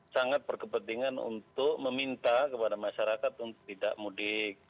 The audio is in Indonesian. sangat berkepentingan untuk meminta kepada masyarakat untuk tidak mudik